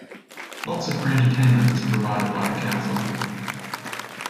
Lots of free entertainment is provided by the council.